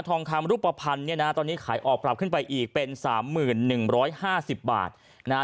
ทองคำรูปภัณฑ์เนี่ยนะตอนนี้ขายออกปรับขึ้นไปอีกเป็น๓๑๕๐บาทนะฮะ